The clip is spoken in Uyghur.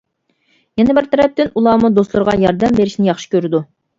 يەنە بىر تەرەپتىن ئۇلارمۇ دوستلىرىغا ياردەم بېرىشنى ياخشى كۆرىدۇ.